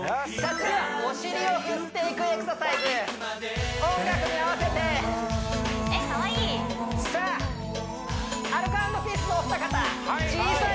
次はお尻を振っていくエクササイズ音楽に合わせてえっかわいいさあアルコ＆ピースのお二方はい